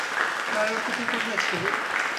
কাল রাত্রে তুই কোথায় ছিলি?